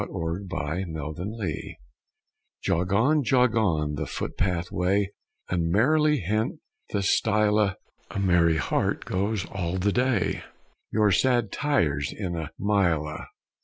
THE WISDOM OF FOLLY "Jog on, jog on, the footpath way, And merrily hent the stile a: A merry heart goes all the day, Your sad tires in a mile a."